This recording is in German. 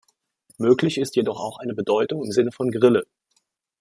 Möglich ist jedoch auch eine Bedeutung im Sinne von Grille.